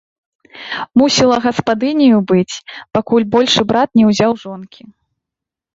Мусіла гаспадыняю быць, пакуль большы брат не ўзяў жонкі.